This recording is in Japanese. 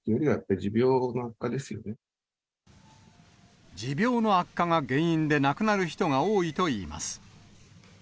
持病の悪化が原因で亡くなる人が多いといいます。